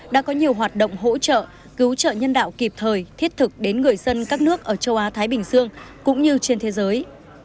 đã có nhiều hoạt động hỗ trợ cứu trợ nhân đạo kịp thời thiết thực đến người dân các nước ở châu á thái bình dương cũng như trên thế giới